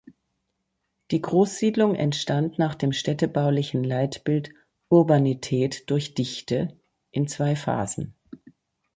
Die Großsiedlung entstand nach dem städtebaulichen Leitbild „Urbanität durch Dichte“ in zwei Phasen.